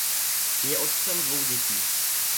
Je otcem dvou dětí.